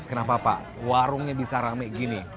kenapa pak warungnya bisa rame gini